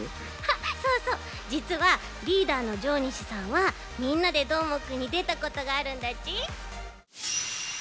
そうそうじつはリーダーの上西さんは「みんなＤＥどーもくん！」にでたことがあるんだち。